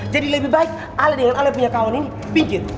jadi lebih baik ale dengan ale punya kawan ini pinggir